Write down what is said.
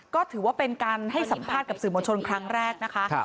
ก็ถือว่าเป็นการให้สัมภาษณ์กับสื่อมวลชนครั้งแรกนะคะ